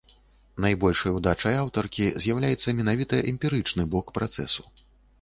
Найбольшай удачай аўтаркі з'яўляецца менавіта эмпірычны бок працэсу.